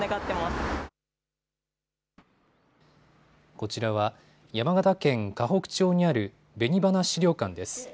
こちらは山形県河北町にある紅花資料館です。